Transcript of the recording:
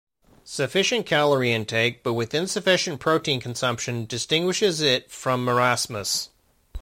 Sufficient calorie intake, but with insufficient protein consumption, distinguishes it from marasmus.